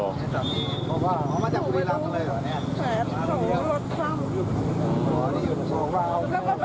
ถูกไปดูแผนของรถซ่ำ